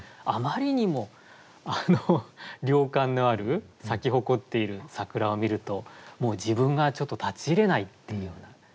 あまりにも量感のある咲き誇っている桜を見るともう自分がちょっと立ち入れないっていうような